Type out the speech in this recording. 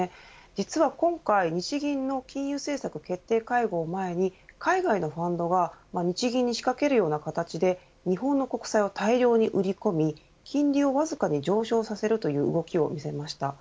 実は今回、日銀の金融政策決定会合を前に海外のファンドが日銀に仕掛けるような形で日本の国債を大量に売り込み金利をわずかに上昇させるという動きを見せました。